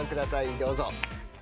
どうぞ。